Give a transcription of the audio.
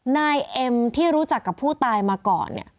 นายเอ็มที่รู้จักกับผู้ตายมาก่อน